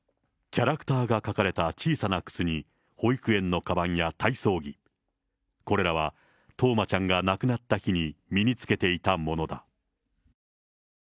キャラクターが描かれた小さな靴に、保育園のかばんや体操着、これらは冬生ちゃんが亡くなった日に身につけていたものだ。